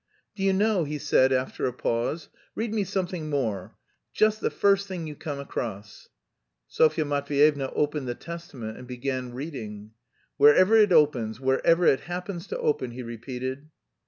"Do you know," he said after a pause, "read me something more, just the first thing you come across." Sofya Matveyevna opened the Testament and began reading. "Wherever it opens, wherever it happens to open," he repeated.